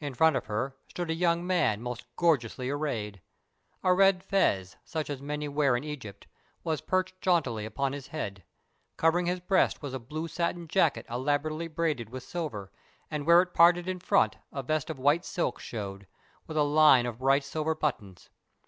In front of her stood a young man most gorgeously arrayed. A red fez, such as many wear in Egypt, was perched jauntily upon his head. Covering his breast was a blue satin jacket elaborately braided with silver, and where it parted in front a vest of white silk showed, with a line of bright silver buttons.